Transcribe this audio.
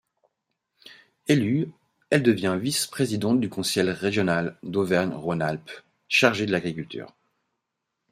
Élue, elle devient vice-présidente du conseil régional d'Auvergne-Rhône-Alpes chargée de l'agriculture.